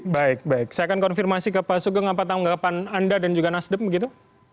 baik baik saya akan konfirmasi ke pak sugeng apa tanggapan anda dan juga nasdem begitu